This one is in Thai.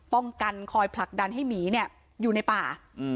ป้องกันคอยผลักดันให้หมีเนี่ยอยู่ในป่าอืม